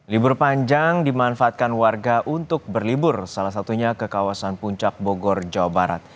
libur panjang dimanfaatkan warga untuk berlibur salah satunya ke kawasan puncak bogor jawa barat